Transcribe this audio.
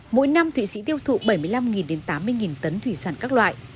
mỗi năm thụy sĩ tiêu thụ bảy mươi năm tám mươi tấn thủy sản các loại